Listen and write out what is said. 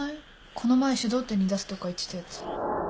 この前書道展に出すとか言ってたやつ。